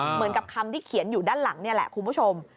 เหมือนกับคำที่เขียนอยู่ด้านหลังนี่แหละคุณผู้ชม